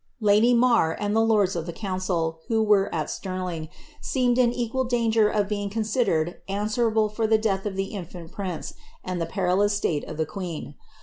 l^iiy Marr, and ihe lords of the eouncil who were at Stirline Ca;,l'. seemed in equal danger of being considered answerable fur the dta.h u: the infant prince, and the perilous stale o( the queen.